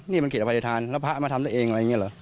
นี่มันวิธีภัยธรรมแล้วพระมันทำได้เองอะไรเงี่ยเหรอ